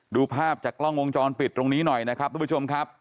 ดูภาพจากกล้องวงจรปิดตรงนี้หน่อยนะครับทุกผู้ชมครับ